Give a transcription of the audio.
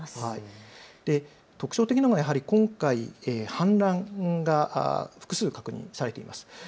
特徴的なのがやはり今回、氾濫が複数、確認されています。